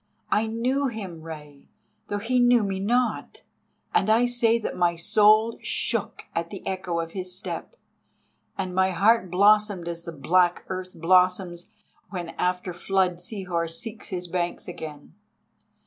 I knew him, Rei, though he knew me not, and I say that my soul shook at the echo of his step, and my heart blossomed as the black earth blossoms when after flood Sihor seeks his banks again.